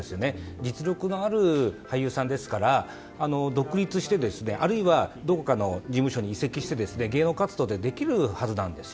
実力のある俳優さんですから独立する、あるいはどこかの事務所に移籍して芸能活動ってできるはずなんです。